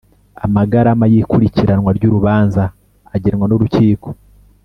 amagarama y’ikurikiranwa ry’urubanza agenwa n’urukiko